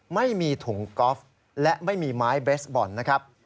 ไม่มีถุงกอล์ฟและไม่มีไม้เบสบอลนะครับ